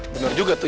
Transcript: bener juga tuh ya